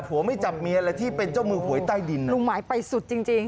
ไม่จับเมียเลยที่เป็นเจ้ามือหวยใต้ดินลุงหมายไปสุดจริงจริง